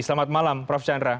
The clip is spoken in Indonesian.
selamat malam prof chandra